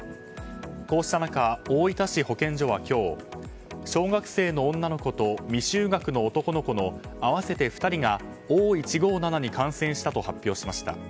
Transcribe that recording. こうした中、大分市保健所は今日小学生の女の子と未就学の男の子の合わせて２人がＯ１５７に感染したと発表しました。